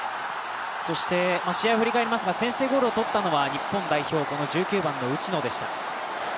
そして試合を振り返りますが、先制点を取ったのは日本代表、１９番の内野でした。